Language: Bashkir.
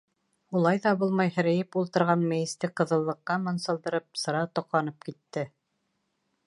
Улай ҙа булмай һерәйеп ултырған мейесте ҡыҙыллыҡҡа мансылдырып, сыра тоҡанып китте.